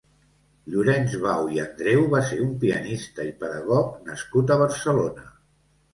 Llorenç Bau i Andreu va ser un pianista i pedagog nascut a Barcelona.